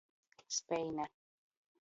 Speine.